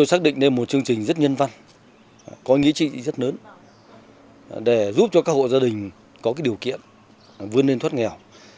đã xác định lên một chương trình rất nhân văn có nghĩa trị rất lớn để giúp cho các hộ gia đình có điều kiện vươn lên thoát nghèo